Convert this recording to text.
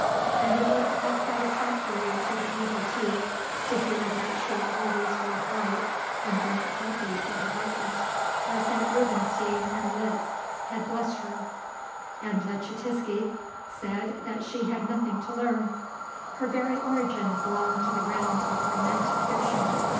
And it was as satisfactory to the devotee to hear that she always wore white and drank coffee for her breakfast, as that Rubinstein and Liszt had blessed her and Leschetitsky said that she had nothing to learn. Her very origin belonged to the realm of romantic fiction.